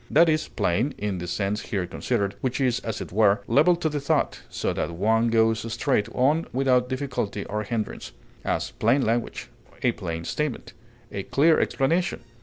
That is plain, in the sense here considered, which is, as it were, level to the thought, so that one goes straight on without difficulty or hindrance; as, plain language; a plain statement; a clear explanation.